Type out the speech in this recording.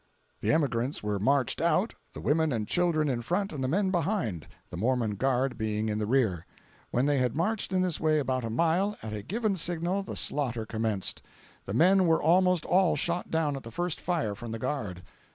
The emigrants were marched out, the women and children in front and the men behind, the Mormon guard being in the rear. When they had marched in this way about a mile, at a given signal the slaughter commenced. The men were almost all shot down at the first fire from the guard.